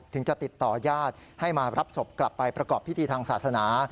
จะติดต่อญาติให้มารับศพกลับไปประกอบพิธีทางศาสนา